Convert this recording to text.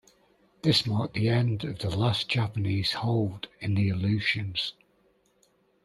This marked the end of the last Japanese hold in the Aleutians.